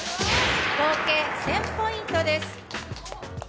合計１０００ポイントです。